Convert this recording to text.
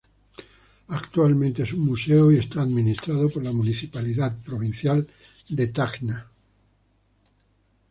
Actualmente es un museo y está administrado por la Municipalidad Provincial de Tacna.